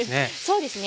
そうですね。